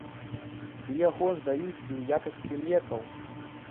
Ды яго ж даюць і ў якасці лекаў.